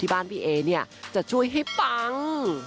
ที่บ้านพี่เอจะช่วยให้ปัง